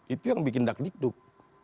itu yang bikin dakdikduk